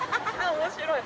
面白い。